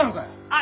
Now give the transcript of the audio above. あ。